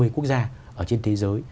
hai mươi ba mươi quốc gia trên thế giới